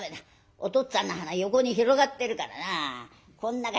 おとっつぁんの鼻横に広がってるからなこん中入らねえや。